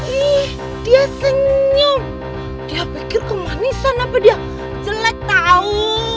ih dia senyum dia pikir kemanisan apa dia jelek tahu